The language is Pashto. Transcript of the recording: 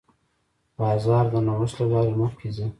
بازار د نوښت له لارې مخکې ځي.